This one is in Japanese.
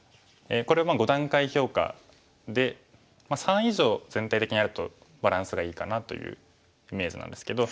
これ５段階評価で３以上全体的にあるとバランスがいいかなというイメージなんですけど。